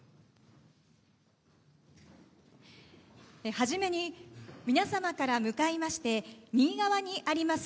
はじめに皆様から向かいまして右側にあります